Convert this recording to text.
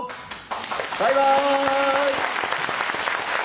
バイバーイ！